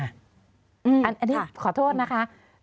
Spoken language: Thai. อันนี้ขอโทษนะคะ